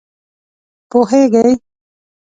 پوهېږې!